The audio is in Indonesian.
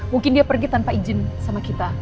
mungkin dia pergi tanpa izin sama kita